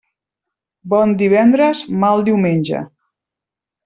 Bon divendres, mal diumenge.